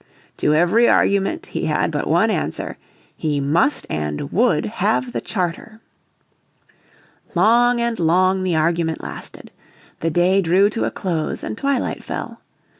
To every argument he had but one answer, he must and would have the charter. Long and long the argument lasted. The day drew to a close and twilight fell.